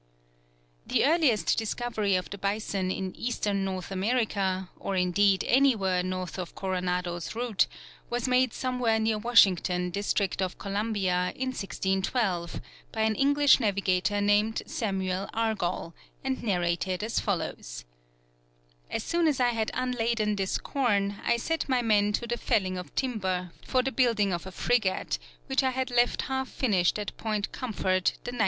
The earliest discovery of the bison in Eastern North America, or indeed anywhere north of Coronado's route, was made somewhere near Washington, District of Columbia, in 1612, by an English navigator named Samuel Argoll, and narrated as follows: "As soon as I had unladen this corne, I set my men to the felling of Timber, for the building of a Frigat, which I had left half finished at Point Comfort, the 19.